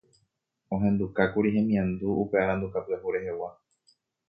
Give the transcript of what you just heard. ohendukákuri hemiandu upe aranduka pyahu rehegua